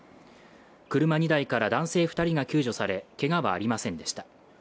車２台から男性２人が救助され、けがはありませんでした。